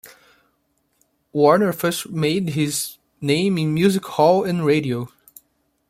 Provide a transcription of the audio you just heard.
Warner first made his name in music hall and radio.